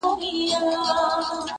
برج دي تر آسمانه، سپي دي له لوږي مري -